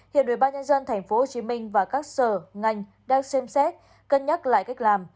hiện đối ban nhân dân tp hcm và các sở ngành đang xem xét cân nhắc lại cách làm